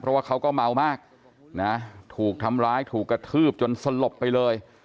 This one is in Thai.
เพราะว่าเขาก็เมามากนะถูกทำร้ายถูกกระทืบจนสลบไปเลย